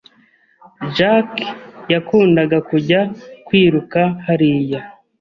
Jack yakundaga kujya kwiruka hariya.